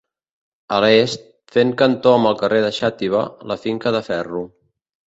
A l'est, fent cantó amb el carrer de Xàtiva, la Finca de ferro.